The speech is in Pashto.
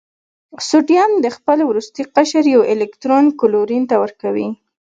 سوډیم د خپل وروستي قشر یو الکترون کلورین ته ورکوي.